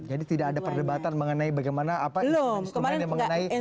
jadi tidak ada perdebatan mengenai bagaimana apa instrumennya mengenai